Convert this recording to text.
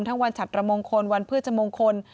วันฉัดระมงคลวันพฤชมงคล